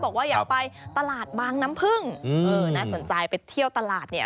บอกว่าอยากไปตลาดบางน้ำพึ่งเออน่าสนใจไปเที่ยวตลาดเนี่ย